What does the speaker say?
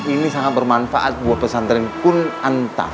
ini sangat bermanfaat buat pesantren pun antar